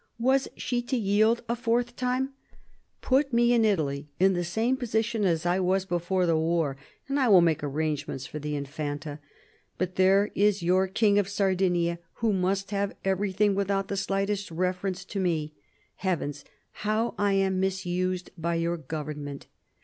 Was she to yield a fourth time 1 " Put me in Italy in the same position as I was before the war, and I will make arrangements for the Infanta. But there is your King of Sardinia, who must have everything without the slightest reference to me. Heavens ! how am I misused by your Government